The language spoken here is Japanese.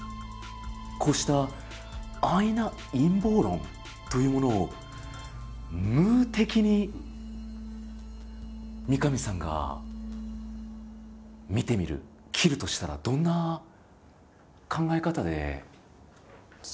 こうした安易な陰謀論というものを「ムー」的に三上さんが見てみる斬るとしたらどんな考え方で向き合いますか？